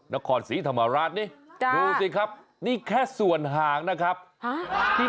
นครสีธรรมรัสนี่